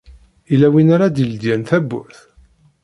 Yella win ara d-iledyen tawwurt?